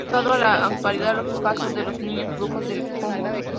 Han saltado a la actualidad los casos de los niños brujos del Congo.